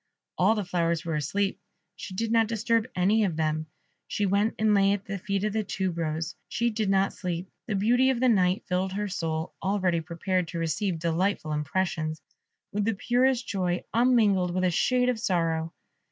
All the flowers were asleep. She did not disturb any of them; she went and lay at the feet of the Tube rose she did not sleep. The beauty of the night filled her soul, already prepared to receive delightful impressions, with the purest joy, unmingled with a shade of sorrow.